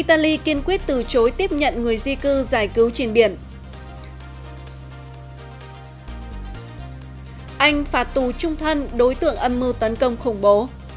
anh phạt tù trung thân đối tượng âm mưu tấn công khủng bố